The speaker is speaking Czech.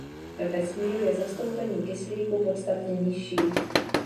Ve vesmíru je zastoupení kyslíku podstatně nižší.